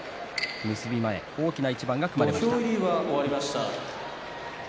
結び前、大きな一番が組まれました。